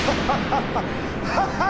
ハハハハ！